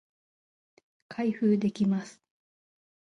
開封できます